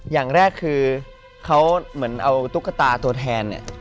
อย่างแรกคือเขาเหมือนเอาตุ๊กตาตัวแทนเนี่ย